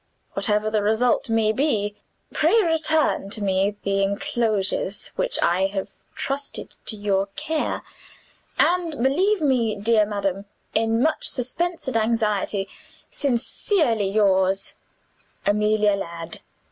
Whatever the result may be, pray return to me the inclosures which I have trusted to your care, and believe me, dear madam, in much suspense and anxiety, sincerely yours, "AMELIA LADD."